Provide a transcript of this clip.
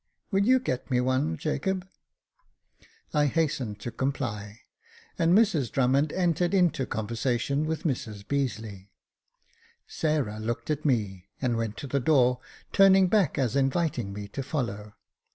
Will you get me one, Jacob ?" I hastened to comply, and Mrs Drummond entered into conversation with Mrs Beazeley. Sarah looked at me, and went to the door, turning back as inviting me to follow.